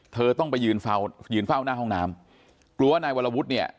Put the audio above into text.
เธอต้องไปยืนเฝ้ายืนเฝ้าหน้าห้องน้ำกลัวว่านายวรวุฒิเนี่ย